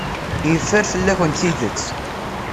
Yeffer fell-akent tidet.